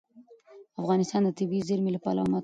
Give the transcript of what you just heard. افغانستان د طبیعي زیرمې له پلوه متنوع دی.